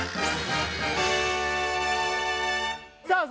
さあ